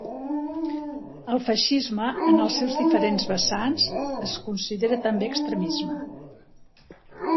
El feixisme en els seus diferents vessants es considera també extremisme.